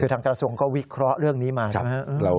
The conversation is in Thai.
คือทางกระทรวงก็วิเคราะห์เรื่องนี้มาใช่ไหม